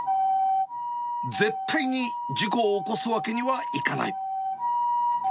絶対に事故を起こすわけにはいかない。